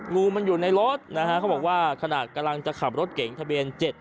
งูมันอยู่ในรถนะฮะเขาบอกว่าขณะกำลังจะขับรถเก๋งทะเบียน๗๗